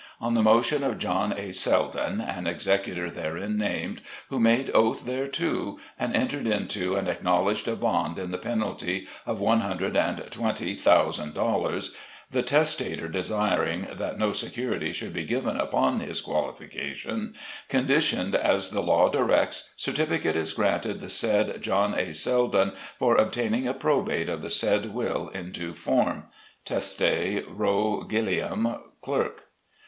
On the motion of John A. Seldon, an Executor therein named, who made oath thereto, and entered into and acknowledged a bond in the penalty of One Hundred and Twenty Thousand Dollars (the Testator desiring that no security should be given upon his qualification), conditioned as the law directs, certificate is granted the said John A. Seldon for obtaining a probate of the said Will in due form. Teste, RO. GILLIAM, Clerk.